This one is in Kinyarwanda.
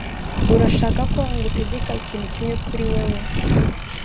urashaka ko ngutegeka ikintu kimwe kuri wewe